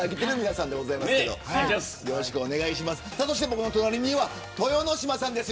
そして隣には豊ノ島さんです。